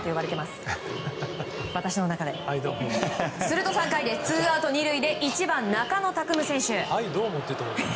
すると３回、ツーアウト２塁で１番、中野拓夢選手。